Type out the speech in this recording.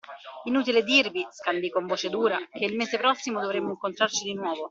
Inutile dirvi – scandì con voce dura – che il mese prossimo dovremo incontrarci di nuovo.